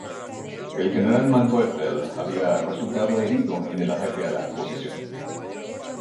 El general Manteuffel había resultado herido en el ataque a la posición.